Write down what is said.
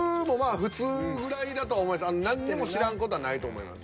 僕もまあ何にも知らん事はないと思います。